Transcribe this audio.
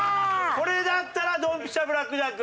これだったらドンピシャブラックジャック。